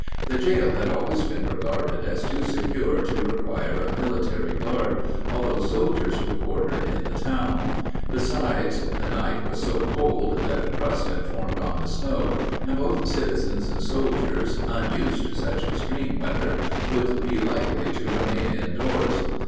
The jail had always been regarded as too secure to require a military guard, although soldiers were quartered in the town; besides, the night was so cold that a crust had formed on the snow, and both citizens and soldiers, unused to such extreme weather would be likely to remain indoors.